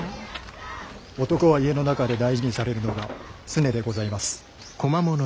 男は家の中で大事にされるのが常でございます。